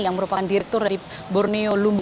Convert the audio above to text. yang merupakan direktur dari borneo lumbu